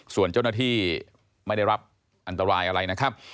ส่วนเจ้าหน้าที่ไม่ได้รับอันตรายอะไรนะครับ